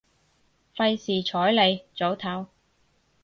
費事睬你，早唞